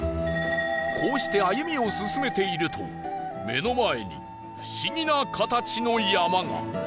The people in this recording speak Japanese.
こうして歩みを進めていると目の前に不思議な形の山が